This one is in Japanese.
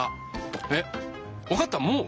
えっわかったもう？